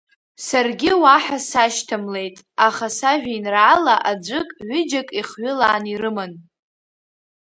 Саргьы уаҳа сашьҭамлеит, аха сажәеинраала аӡәык, ҩыџьак ихҩылаан ирыман.